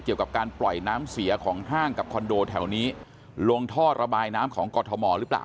เกี่ยวกับการปล่อยน้ำเสียของห้างกับคอนโดแถวนี้ลงท่อระบายน้ำของกรทมหรือเปล่า